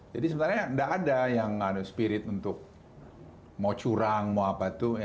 jadi sebenarnya tidak ada yang ada spirit untuk mau curang mau apa itu